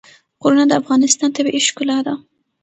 غرونه د افغانستان طبیعي ښکلا ده.